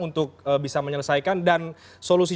untuk bisa menyelesaikan dan solusi